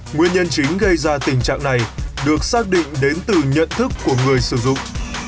nguyên nhân chính gây ra tình trạng này được xác định đến từ nhận thức của người sử dụng